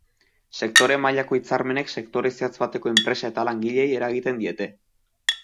Sektore mailako hitzarmenek sektore zehatz bateko enpresa eta langileei eragiten diete.